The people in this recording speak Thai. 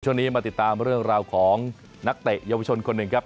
มาติดตามเรื่องราวของนักเตะเยาวชนคนหนึ่งครับ